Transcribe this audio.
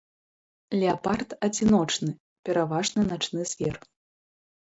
Леапард адзіночны, пераважна начны звер.